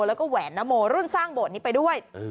แล้วก็แหวนนโมรุ่นสร้างโบสถ์นี้ไปด้วย